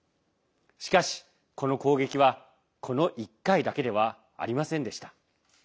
しかし、この攻撃はこの１回だけではありませんでした。